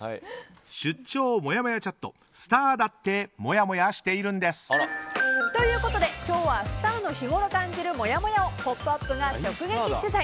出張もやもやチャットスターだってもやもやしてるんです！ということで今日はスターの日頃感じるもやもやを「ポップＵＰ！」が直撃取材。